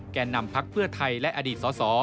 แก่นำพักเพื่อไทยและอดีตสส